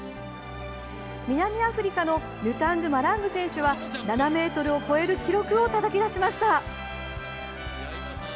南アフリカのヌタンド・マラング選手は７ｍを超える記録をたたき出しました。